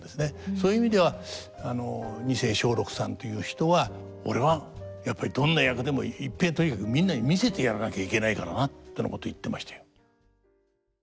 そういう意味では二世松緑さんという人は「俺はやっぱりどんな役でもいっぺえとにかくみんなに見せてやらなきゃいけないからな」ってなこと言ってましたよ。